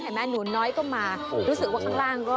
หนูน้อยก็มารู้สึกว่าข้างล่างก็